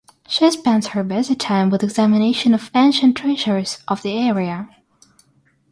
She spends her busy time with examination of ancient treasures of the area.